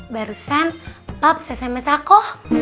barusan pap sms aku